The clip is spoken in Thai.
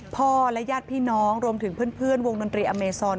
พ่อและญาติพี่น้องรวมถึงเพื่อนวงดนตรีอเมซอน